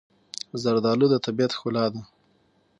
زردالو د طبیعت ښکلا ده.